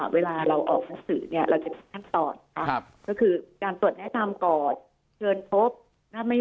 เวลาเราออกสื่อนี่จะตอนครับการตรวจแน่ตามก่อเชิญพบถ้าไม่